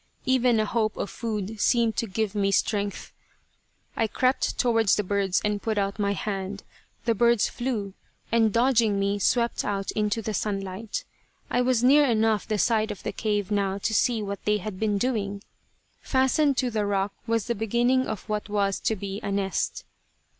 Even a hope of food seemed to give me strength. I crept towards the birds and put out my hand. The birds flew, and dodging me swept out into the sunlight. I was near enough the side of the cave now to see what they had been doing. Fastened to the rock was the beginning of what was to be a nest.